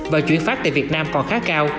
và chuyển phát tại việt nam còn khá cao